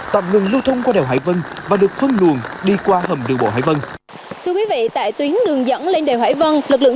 tạm ngừng lưu thông qua đèo hải vân và được phân luồn đi qua hầm đường bộ hải vân